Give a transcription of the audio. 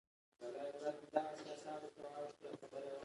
درې پنځوسم سوال د تفتیش په اړه دی.